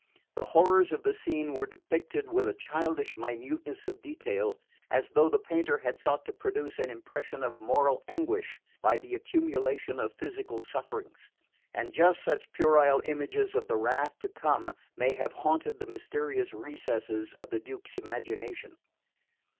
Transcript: The horrors of the scene were depicted with a childish minuteness of detail, as though the painter had sought to produce an impression of moral anguish by the accumulation of physical sufferings; and just such puerile images of the wrath to come may have haunted the mysterious recesses of the Duke's imagination.